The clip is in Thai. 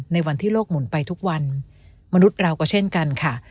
ในวันที่โลกหมุนไปทุกวันมนุษย์เราก็เช่นกันค่ะ